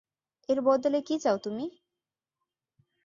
এর বদলে কী চাও তুমি?